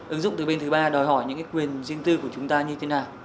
ứng dụng từ bên thứ ba đòi hỏi những quyền riêng tư của chúng ta như thế nào